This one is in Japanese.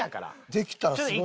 できたらすごいけど。